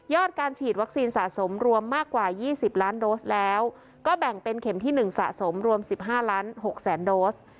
การฉีดวัคซีนสะสมรวมมากกว่า๒๐ล้านโดสแล้วก็แบ่งเป็นเข็มที่๑สะสมรวม๑๕ล้าน๖แสนโดส